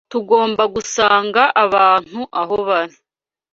Tugomba gusanga abantu aho bari